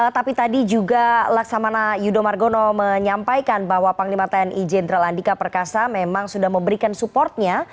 tapi tadi juga laksamana yudho margono menyampaikan bahwa panglima tni jenderal andika perkasa memang sudah memberikan supportnya